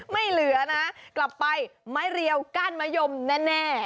ไม่เหลือนะกลับไปไม้เรียวกั้นมะยมแน่